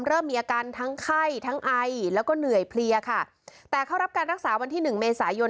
เริ่มมีอาการทั้งไข้ทั้งไอแล้วก็เหนื่อยเพลียค่ะแต่เข้ารับการรักษาวันที่หนึ่งเมษายน